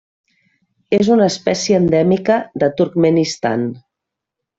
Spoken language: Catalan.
És una espècie endèmica de Turkmenistan.